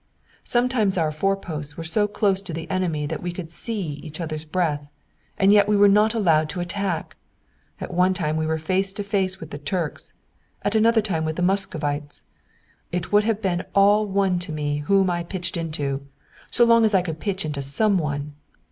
Sometimes our foreposts were so close to the enemy that we could see each other's breath, and yet we were not allowed to attack. At one time we were face to face with the Turks, at another time with the Muscovites. It would have been all one to me whom I pitched into, so long as I could pitch into some one.